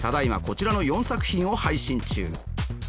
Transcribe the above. こちらの４作品を配信中。